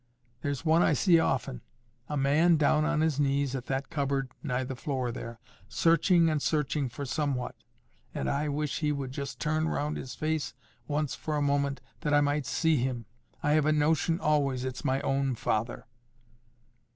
There's one I see often—a man down on his knees at that cupboard nigh the floor there, searching and searching for somewhat. And I wish he would just turn round his face once for a moment that I might see him. I have a notion always it's my own father."